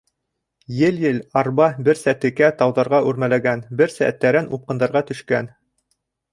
Ел-ел арба берсә текә тауҙарға үрмәләгән, берсә тәрән упҡындарға төшкән.